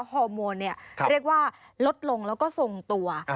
ฮอร์โมนเรียกว่าลดลงแล้วก็ทรงตัว